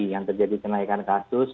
yang terjadi kenaikan kasus